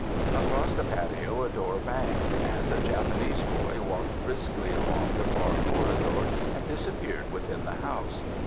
Across the patio a door banged and a Japanese boy walked briskly along the far corridor and disappeared within the house.